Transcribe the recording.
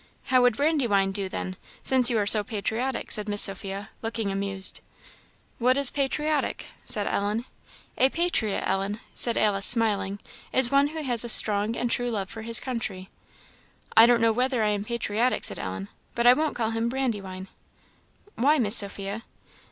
"How would Brandywine do, then, since you are so patriotic?" said Miss Sophia, looking amused. "What is 'patriotic?' " said Ellen. "A patriot, Ellen," said Alice, smiling "is one who has a strong and true love for his country." "I don't know whether I am patriotic," said Ellen, "but I won't call him Brandywine. Why, Miss Sophia?"